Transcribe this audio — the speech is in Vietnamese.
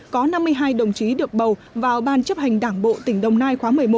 có năm mươi hai đồng chí được bầu vào ban chấp hành đảng bộ tỉnh đồng nai khóa một mươi một